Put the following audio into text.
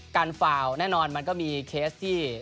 ฟาวแน่นอนมันก็มีเคสที่